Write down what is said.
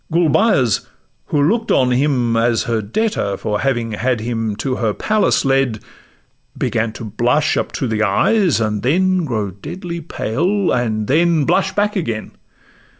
Gulbeyaz, who look'd on him as her debtor For having had him to her palace led, Began to blush up to the eyes, and then Grow deadly pale, and then blush back again.